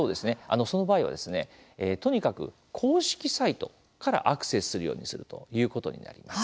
その場合は、とにかく公式サイトからアクセスするようにするということになります。